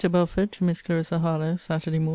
BELFORD, TO MISS CLARISSA HARLOWE SAT. MORN.